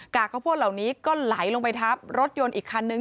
ข้าวโพดเหล่านี้ก็ไหลลงไปทับรถยนต์อีกคันนึง